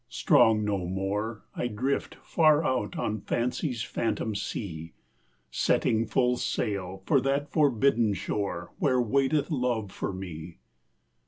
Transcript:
Strong no more I drift far out on Fancy's phantom sea, Setting full sail for that forbidden shore Where waiteth Love for me.